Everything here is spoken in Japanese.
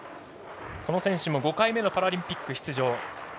この選手も５回目のパラリンピック出場。